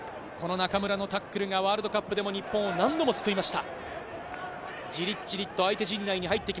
中村のタックルがワールドカップでも日本を何度も救いました。